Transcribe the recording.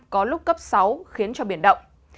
năm có lúc cấp sáu khiến cho biển động